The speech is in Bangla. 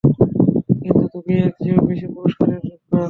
কিন্তু তুমি এর চেয়েও বেশি পুরস্কারের যোগ্য।